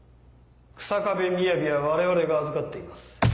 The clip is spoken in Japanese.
日下部みやびは我々が預かっています。